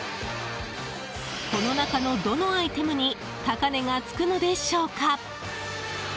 この中のどのアイテムに高値がつくのでしょうか。